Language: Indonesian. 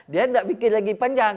dia tidak bikin lagi panjang